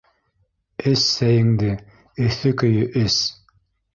Эс сәйеңде... эҫе көйө эс...